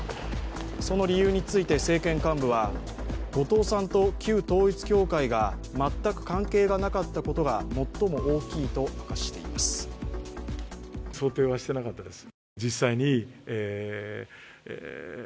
その理由について政権幹部は後藤さんと旧統一教会が全く関係がなかったことが最も大きいと話しています。